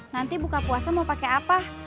nanti buka puasa mau pakai apa